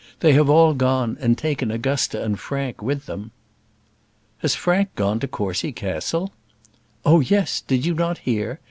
They have all gone, and taken Augusta and Frank with them." "Has Frank gone to Courcy Castle?" "Oh, yes; did you not hear?